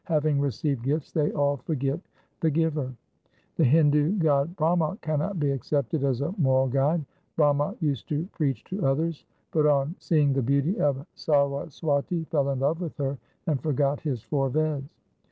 Having received gifts they all forget the Giver. 1 The Hindu god Brahma cannot be accepted as a moral guide :— Brahma used to preach to others, but on seeing the beauty of Saraswati, fell in love with her, and forgot his four Veds.